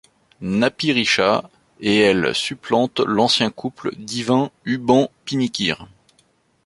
Napirisha et elle supplantent l'ancien couple divin Humban-Pinikir.